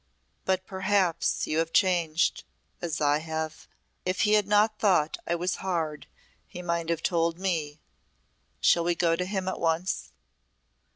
"But perhaps you have changed as I have. If he had not thought I was hard he might have told me Shall we go to him at once?"